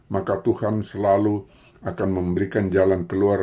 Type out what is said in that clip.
maka tuhan selalu akan memberikan jalan keluar